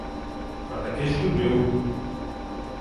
— А таки ж люблю.